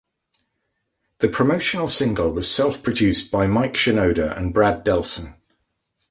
The promotional single was self-produced by Mike Shinoda and Brad Delson.